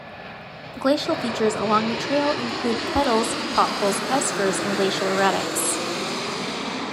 Glacial features along the trail include kettles, potholes, eskers, and glacial erratics.